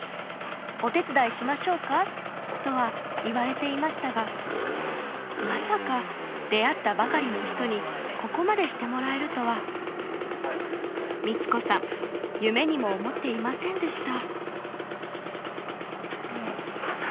［お手伝いしましょうか？とは言われていましたがまさか出会ったばかりの人にここまでしてもらえるとは美津子さん夢にも思っていませんでした］